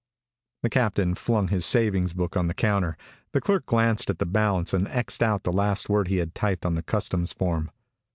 The captain flung his savings book on the counter. The clerk glanced at the balance and X'ed out the last word he had typed on the customs form.